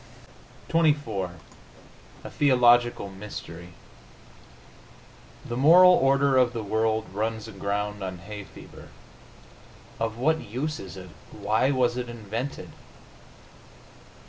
XXIV A THEOLOGICAL MYSTERY The moral order of the world runs aground on hay fever. Of what use is it? Why was it invented?